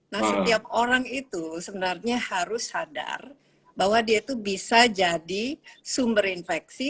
nah setiap orang itu sebenarnya harus sadar bahwa dia itu bisa jadi sumber infeksi